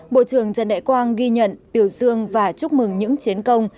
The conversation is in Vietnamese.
bộ trưởng trần đại quang ghi nhận biểu dương và chúc mừng những chiến công